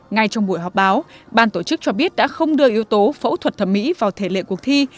ngay trong buổi họp báo ban tổ chức cho biết đã không đưa yếu tố phẫu thuật thẩm mỹ vào thể lệ cuộc thi